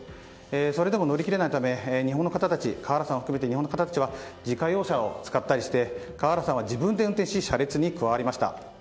それでも乗り切れないため川原さんを含めた日本の方たちは自家用車を使ったりして川原さんは自分で運転し車列に加わりました。